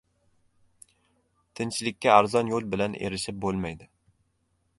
• Tinchlikka arzon yo‘l bilan erishib bo‘lmaydi.